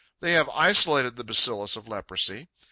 They have isolated the bacillus of leprosy.